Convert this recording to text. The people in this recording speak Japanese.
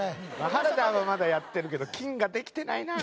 原田はまだやってるけどきんができてないな。